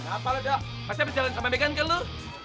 apa lu dok pasti habis jalanin sama megan ke lu